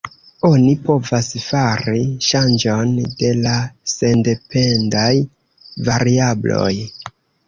Oni povas fari ŝanĝon de la sendependaj variabloj.